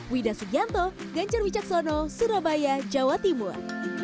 widah sugianto ganjar wijaksono surabaya jawa timur